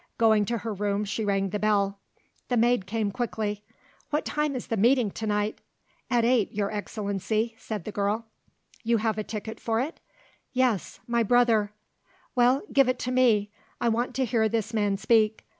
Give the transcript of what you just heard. Going to her room she rang the bell. The maid came quickly. "What time is the meeting to night?" "At eight, Your Excellency," said the girl. "You have a ticket for it?" "Yes, my brother " "Well, give it to me; I want to hear this man speak.